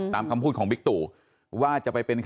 ตามคำพูดของวิกตุว่าจะไปเป็นนายก